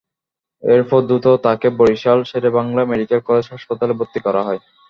এরপর দ্রুত তাঁকে বরিশাল শেরেবাংলা মেডিকেল কলেজ হাসপাতালে ভর্তি করা হয়।